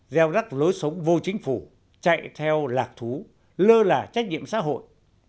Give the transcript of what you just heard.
gieo rắc lối sống vô chính phủ chạy theo lạc thú lơ là trách nhiệm xã hội